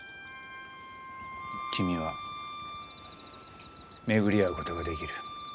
君は巡り会うことができる。